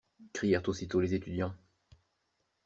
Crièrent aussitôt les étudiants.